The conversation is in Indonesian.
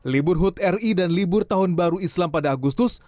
libur hut ri dan libur tahun baru islam pada agustus